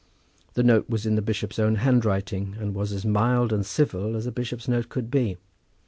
The note was in the bishop's own handwriting and was as mild and civil as a bishop's note could be.